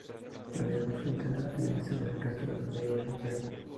El libro es diferente en estilo al resto de los libros en la serie.